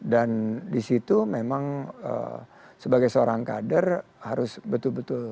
dan di situ memang sebagai seorang kader harus betul betul tanggung